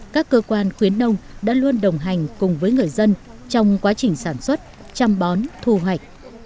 các cơ quan khuyến nông đã luôn đồng hành cùng với người dân trong quá trình sản xuất chăm bón thu hoạch